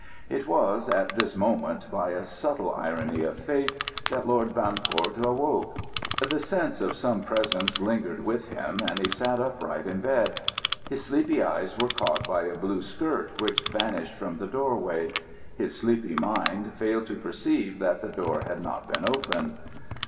It was at this moment, by a subtle irony of fate, that Lord Bancourt awoke. The sense of some presence lingered with him, and he sat upright in bed. His sleepy eyes were caught by a blue skirt which vanished from the doorway; his sleepy mind failed to perceive that the door had not been open.